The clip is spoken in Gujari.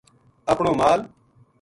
اپنو مال